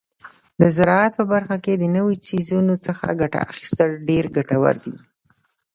د زراعت په برخه کې د نوو څیړنو څخه ګټه اخیستل ډیر ګټور دي.